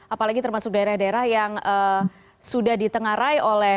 apalagi termasuk daerah daerah yang sudah ditengarai oleh